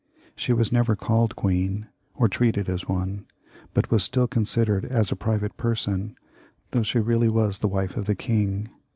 She was never called queen, or treated as one, but went on being considered as a private person, though she reaUy was the wife of the king.